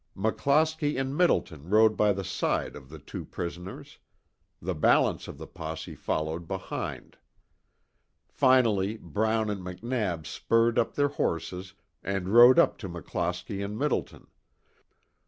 McClosky and Middleton rode by the side of the two prisoners. The balance of the posse followed behind. Finally Brown and McNab spurred up their horses and rode up to McClosky and Middleton.